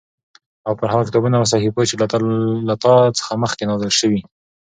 او پر هغو کتابونو او صحيفو چې له تا څخه مخکې نازل شوي